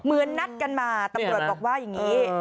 เหมือนนัดกันมาตำรวจบอกว่าอย่างนี้